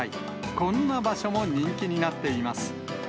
こんな場所も人気になっています。